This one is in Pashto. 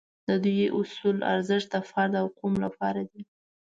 د دې اصول ارزښت د فرد او قوم لپاره دی.